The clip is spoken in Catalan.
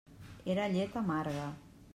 Era llet amarga.